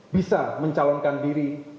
bisa mencalonkan diri